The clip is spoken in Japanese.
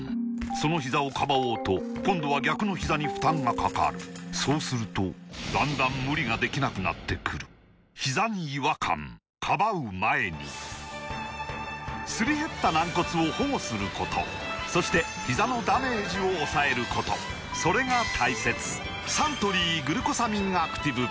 そのひざをかばおうと今度は逆のひざに負担がかかるそうするとだんだん無理ができなくなってくるすり減った軟骨を保護することそしてひざのダメージを抑えることそれが大切サントリー「グルコサミンアクティブ」